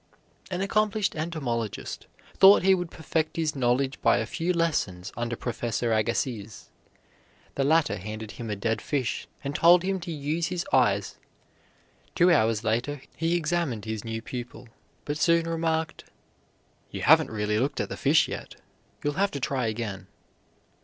An accomplished entomologist thought he would perfect his knowledge by a few lessons under Professor Agassiz. The latter handed him a dead fish and told him to use his eyes. Two hours later he examined his new pupil, but soon remarked, "You haven't really looked at the fish yet. You'll have to try again."